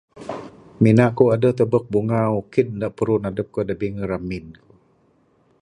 Mina kuk edeh tubek bunga orkid de puruh edep kuk de bengih remin.